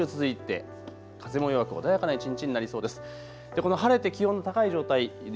晴れが一日中続いて風も弱く穏やかな一日になりそうです。